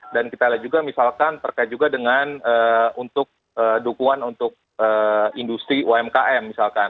dan kita lihat juga misalkan terkait juga dengan dukungan untuk industri umkm